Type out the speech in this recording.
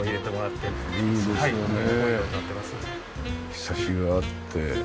ひさしがあって。